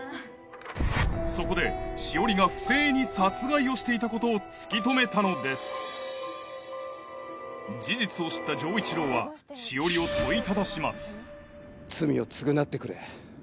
そこで詩織が不正に殺害をしていたことを突き止めたのです事実を知った丈一郎は詩織を問いただします罪を償ってくれ。